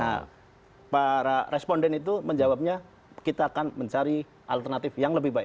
jadi para responden itu menjawabnya kita akan mencari alternatif yang lebih baik